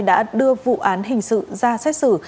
đã đưa vụ án hình sự ra xét xử